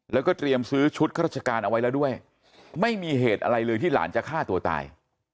แล้วก็เตรียมซื้อชุดข้าราชการเอาไว้แล้วด้วยไม่มีเหตุอะไรเลยที่หลานจะฆ่าตัวตาย